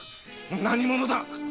何者だ！